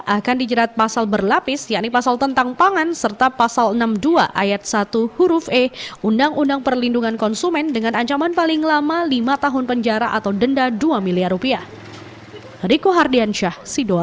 akan dijerat pasal berlapis yakni pasal tentang pangan serta pasal enam puluh dua ayat satu huruf e undang undang perlindungan konsumen dengan ancaman paling lama lima tahun penjara atau denda dua miliar rupiah